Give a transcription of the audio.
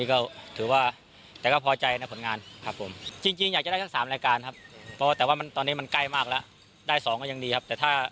ก็ถือว่าโอเคแล้วครับ